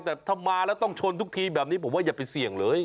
แต่ถ้ามาแล้วต้องชนทุกทีแบบนี้ผมว่าอย่าไปเสี่ยงเลย